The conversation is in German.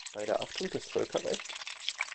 Bei der Achtung des Völkerrechts?